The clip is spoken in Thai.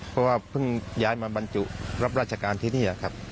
เพราะว่าเพิ่งย้ายมาบรรจุรับราชการที่นี่แหละครับ